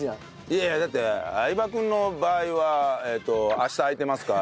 いやいやだって相葉君の場合は「明日空いてますか？